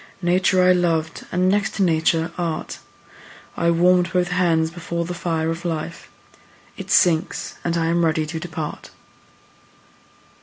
Nature I loved and, next to Nature, Art: I warm'd both hands before the fire of life; It sinks, and I am ready to depart.